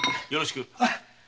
よろしく。